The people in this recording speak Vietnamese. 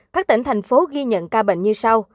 các tỉnh thành phố ghi nhận ca bệnh như sau